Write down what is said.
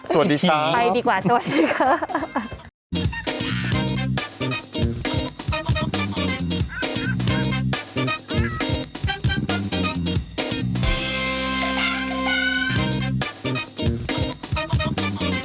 สวัสดีครับไปดีกว่าสวัสดีครับ